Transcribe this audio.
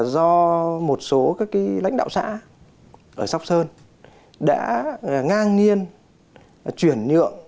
do một số các lãnh đạo xã ở sóc sơn đã ngang nhiên chuyển nhượng